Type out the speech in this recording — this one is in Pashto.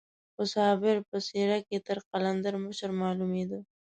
خو صابر په څېره کې تر قلندر مشر معلومېده.